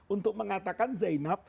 untuk mengatakan zainab